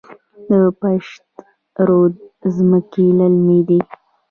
د پشت رود ځمکې للمي دي